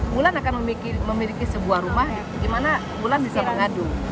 bulan akan memiliki sebuah rumah di mana bulan bisa mengadu